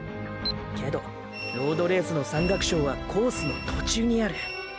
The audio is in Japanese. けどロードレースの「山岳賞」はコースの途中にある。